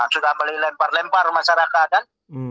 sudah boleh lempar lempar masyarakat kan